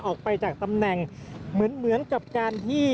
ออกจากตำแหน่งเหมือนกับการที่